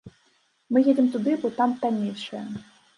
Мы едзем туды, бо там таннейшае.